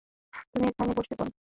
তুমি এখানে বসতে পারো।